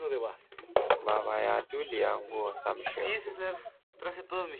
Vavae atulia nguo sa msheku.